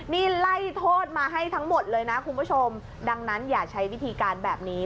นี่ไล่โทษมาให้ทั้งหมดเลยนะคุณผู้ชมดังนั้นอย่าใช้วิธีการแบบนี้